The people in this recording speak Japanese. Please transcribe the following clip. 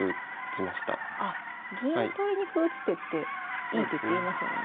あっ銀取りに歩打つ手っていい手っていいますもんね。